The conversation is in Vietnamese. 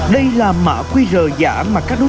đây là mã qr giả mà các đối tượng đều không biết